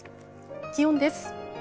気温です。